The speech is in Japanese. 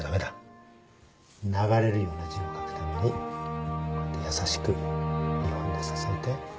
流れるような字を書くためにこうやって優しく２本で支えて